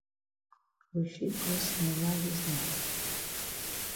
We fit go cinema dis night?